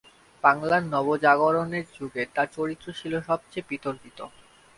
বাংলার নবজাগরণের যুগে তার চরিত্র ছিল সবচেয়ে বিতর্কিত।